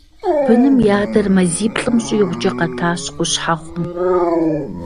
Быным я адэр мазиплӀым щӀигъукӀэ къэтащ Къущхьэхъум.